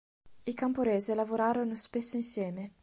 I Camporese lavorarono spesso insieme.